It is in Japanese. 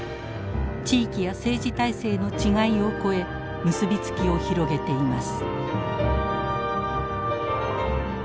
地域や政治体制の違いを超え結び付きを広げています。